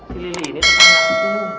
si lili ini tetap ngaku